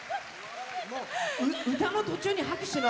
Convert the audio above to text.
歌の途中に拍手が。